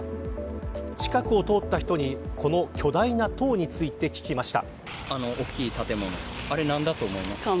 近くを通った人にこの巨大な塔について聞きました。